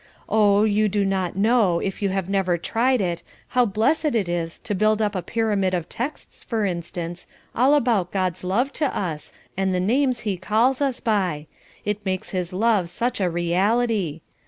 Oh, you do not know, if you never have tried it, how blessed it is to build up a pyramid of texts, for instance, all about God's love to us, and the names he calls us by; it makes his love such a reality.